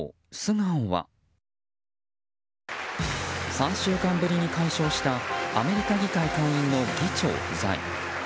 ３週間ぶりに解消したアメリカ議会下院の議長不在。